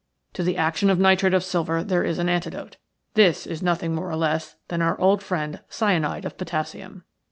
To the action of nitrate of silver there is an antidote. This is nothing more or less than our old friend cyanide of potassium.